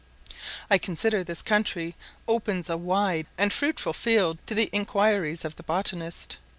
I consider this country opens a wide and fruitful field to the inquiries of the botanist.